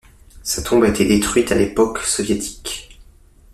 Sa tombe a été détruite à l'époque soviétique.